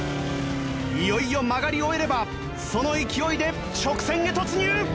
いよいよ曲がり終えればその勢いで直線へ突入！